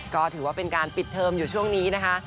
ก็ถือว่าเป็นการปิดเทอมอยู่ช่วงนี้นะคะ